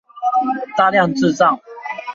大量製造